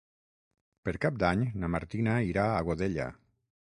Per Cap d'Any na Martina irà a Godella.